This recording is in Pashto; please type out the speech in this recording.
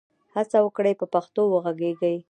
هڅه وکړئ په پښتو وږغېږئ.